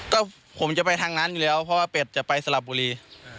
ก็ผมจะไปทางนั้นอยู่แล้วเพราะว่าเป็ดจะไปสลับบุรี